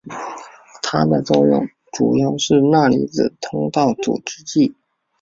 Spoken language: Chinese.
它的作用主要是钠离子通道阻滞剂。